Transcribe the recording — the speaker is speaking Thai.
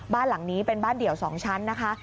บ้านหลังนี้เป็นบ้านเดี่ยว๒ชั้นนะคะ